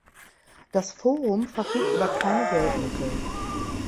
Das Forum verfügt über keine Geldmittel.